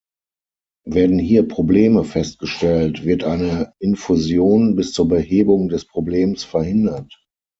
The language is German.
Werden hier Probleme festgestellt, wird eine Infusion bis zur Behebung des Problems verhindert.